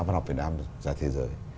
văn học việt nam ra thế giới